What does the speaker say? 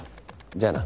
じゃあな。